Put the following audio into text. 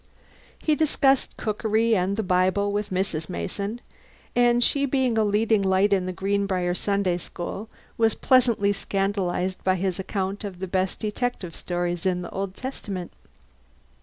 He discussed cookery and the Bible with Mrs. Mason; and she being a leading light in the Greenbriar Sunday School, was pleasantly scandalized by his account of the best detective stories in the Old Testament.